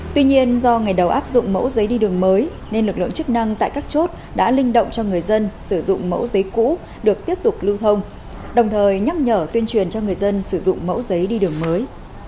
tuy nhiên do ngày đầu áp dụng mẫu giấy đi đường mới nên lực lượng chức năng tại các chốt đã linh động cho người dân sử dụng mẫu giấy cũ được tiếp tục lưu thông đồng thời nhắc nhở tuyên truyền cho người dân sử dụng mẫu giấy đi đường mới